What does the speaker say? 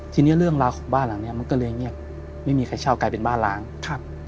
ทีนี้เรื่องราวของบ้านหลังเนี้ยมันก็เลยเงียบไม่มีใครเช่ากลายเป็นบ้านล้างครับ